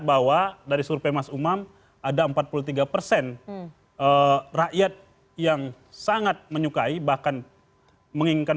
bahwa dari survei mas umam ada empat puluh tiga persen rakyat yang sangat menyukai bahkan menginginkan